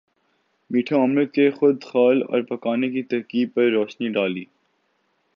میٹھے آملیٹ کے خدوخال اور پکانے کی ترکیب پر روشنی ڈالی